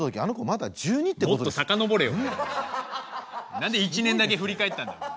何で１年だけ振り返ったんだ？